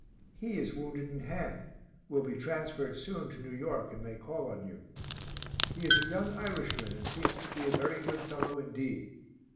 He is wounded in hand; will be transferred soon to New York and may call on you. He is a young Irishman, and seems to be a very good fellow indeed.